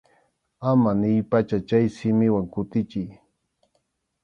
Ama niypacha chay simiwan kutichiy.